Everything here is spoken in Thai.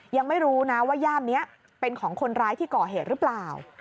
ยังไม่รู้นะว่าย่ามนี้เป็นของคนร้ายที่ก่อเหตุหรือเปล่า